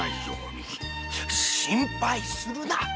心配するな！